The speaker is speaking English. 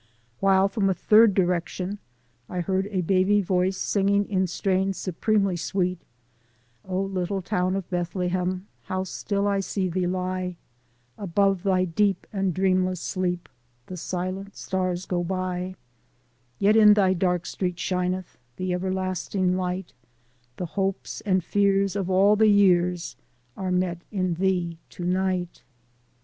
While from a third direction I heard a baby voice singing in strains supremely sweet: "Q Little Town of Bethlehem, How still I see thee lie ; Above thy deep and dreamless sleep The silent stars go by; Yet in thy dark street shineth The everlasting light; The hopes and fears of all the years Are met in thee to night."